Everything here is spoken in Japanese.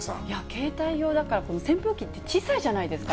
携帯用だから、扇風機って小さいじゃないですか。